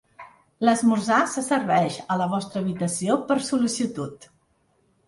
L'esmorzar se serveix a la vostra habitació per sol·licitud.